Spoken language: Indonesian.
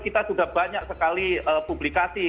kita sudah banyak sekali publikasi